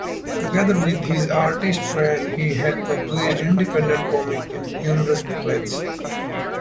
Together with his artist friends, he had published independent comic and humorous booklets.